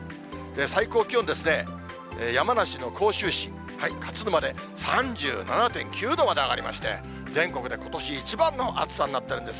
最高気温ですね、山梨の甲州市勝沼で３７．９度まで上がりまして、全国でことし一番の暑さになってるんです。